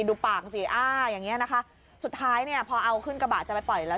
ดูปากสิอ้าอย่างเงี้ยนะคะสุดท้ายเนี่ยพอเอาขึ้นกระบะจะไปปล่อยแล้ว